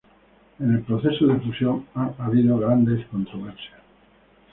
En el proceso de fusión ha habido grandes controversias.